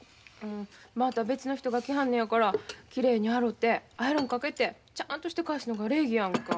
また別の人が着はんのやからきれいに洗うてアイロンかけてちゃんとして返すのが礼儀やんか。